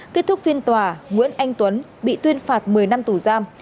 kết thúc phiên tòa nguyễn anh tuấn bị tuyên phạt một mươi năm tù giam